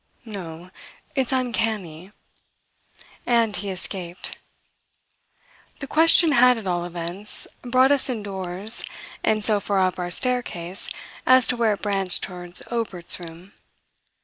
"No. It's uncanny." And he escaped. The question had at all events brought us indoors and so far up our staircase as to where it branched towards Obert's room.